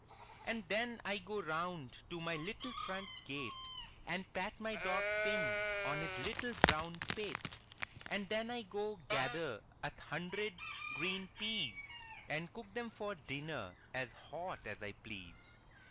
182 UP ONE PAIR OF STAIRS And then I go round to my little front gate, And pat my dog Pim on his Httle brown pate! And then I go gather a hundred green peas, And cook them for dinner as hot as I please!